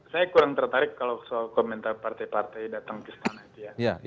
saya kurang tertarik kalau soal komentar partai partai datang ke istana itu ya